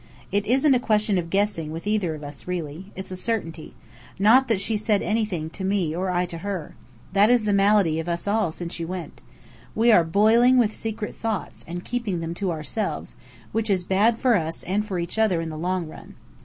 It isn't a question of "guessing" with either of us, really. It's a certainty. Not that she's said anything to me or I to her. That is the malady of us all since you went. We are boiling with secret thoughts, and keeping them to ourselves, which is bad for us and for each other in the long run.